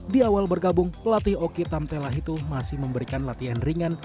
di awal bergabung pelatih oki tamtella itu masih memberikan latihan ringan